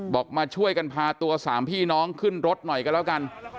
มาช่วยกันพาตัวสามพี่น้องขึ้นรถหน่อยก็แล้วกัน